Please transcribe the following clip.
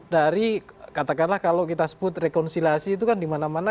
dari katakanlah kalau kita sebut rekonsiliasi itu kan dimana mana